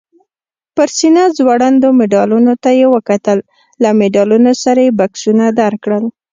پر سینه ځوړندو مډالونو ته یې وکتل، له مډالونو سره یې بکسونه درکړل؟